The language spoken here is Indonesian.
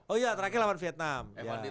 oh iya terakhir lawan vietnam